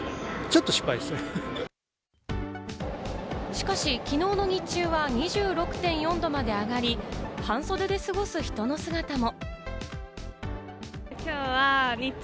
しかし、きのうの日中は２６．４度まで上がり、半袖で過ごす人の姿も。